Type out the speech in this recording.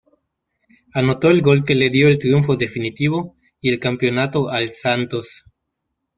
Anotó el gol que le dio el triunfo definitivo y el campeonato al Santos.